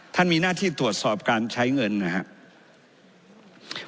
มีหน้าที่ตรวจสอบการใช้เงินนะครับ